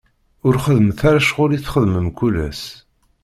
Ur xeddmet ara ccɣel i txeddmem mkul ass.